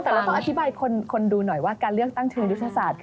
แต่เราต้องอธิบายคนดูหน่อยว่าการเลือกตั้งเชิงยุทธศาสตร์